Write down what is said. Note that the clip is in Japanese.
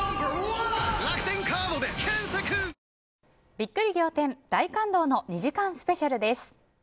ビックリ仰天大感動！の２時間スペシャルです。